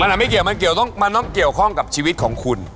มันไม่เกี่ยวมันต้องเกี่ยวข้องกับชีวิตของคุณ